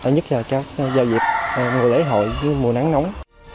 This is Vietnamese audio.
nhất là cho dùm mùa lễ hội mùa nắng nóng